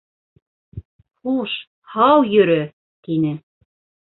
Хуш, һау йөрө! — тине.